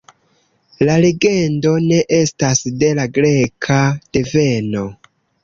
La legendo ne estas de la greka deveno.